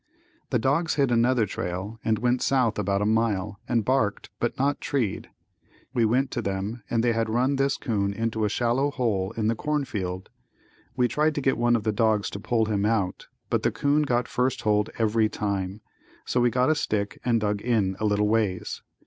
The dogs hit another trail and went south about a mile and barked but not treed. We went to them and they had run this 'coon into a shallow hole in the corn field. We tried to get one of the dogs to pull him out but the 'coon got first hold every time, so we got a stick and dug in a little ways.